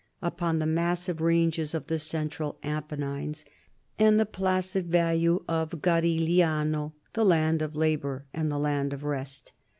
upon the massive ranges of the central Apennines and the placid valley of the Garigliano, " the Land of Labor and the Land of Rest."